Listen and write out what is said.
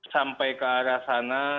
sampai ke arah sana